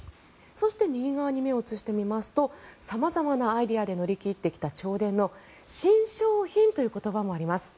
そして、右側に目を移してみますと様々なアイデアで乗り切ってきた銚電の新商品という言葉もあります。